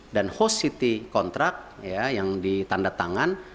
dan host city kontrak yang ditanda tangan